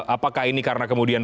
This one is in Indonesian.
apakah ini karena kemudian